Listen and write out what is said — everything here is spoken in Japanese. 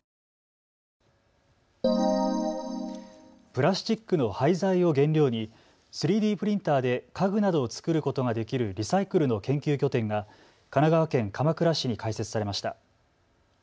プラスチックの廃材を原料に３Ｄプリンターで家具などを作ることができるリサイクルの研究拠点が神奈川県鎌倉市に開設されました。